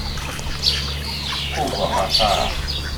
Qubbaɣ aṭas.